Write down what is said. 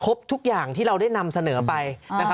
ครบทุกอย่างที่เราได้นำเสนอไป